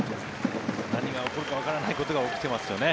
何が起こるかわからないことが起きてますよね。